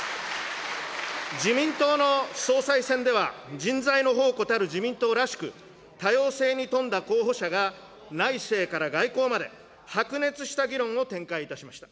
自民党の総裁選では、人材の宝庫たる自民党らしく、多様性に富んだ候補者が、内政から外交まで、白熱した議論を展開いたしました。